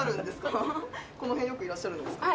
この辺よくいらっしゃるんですか？